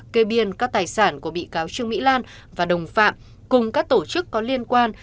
kê biên các tài sản của bị cáo trương mỹ lan và đồng phạm cùng các tổ chức có liên quan